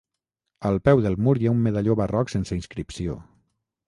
Al peu del mur hi ha un medalló barroc sense inscripció.